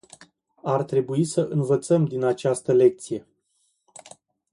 Ar trebui să învățăm din această lecție.